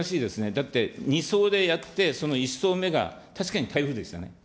だって、２そうでやって、その１そう目が確かに台風でしたね。